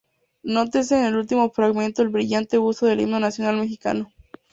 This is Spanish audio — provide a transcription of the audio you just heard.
Nótese, en el último fragmento el brillante uso del Himno Nacional Mexicano.